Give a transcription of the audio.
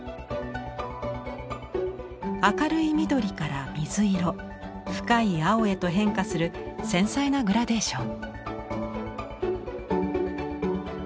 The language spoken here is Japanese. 明るい緑から水色深い青へと変化する繊細なグラデーション。